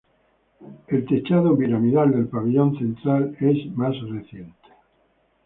El techado piramidal del pabellón central es más reciente.